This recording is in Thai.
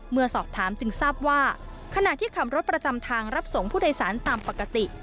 เมื่อสอบถามจึงทราบว่าขณะที่ขับรถประจำทางรับส่งผู้โดยสารตามปกติ